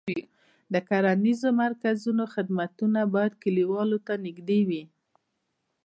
د کرنیزو خدمتونو مرکزونه باید کليوالو ته نږدې وي.